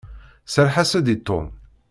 Serreḥ-as-d i Tom.